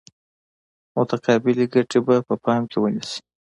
متقابلې ګټې به په پام کې ونیسي.